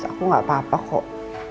aku gak apa apa kok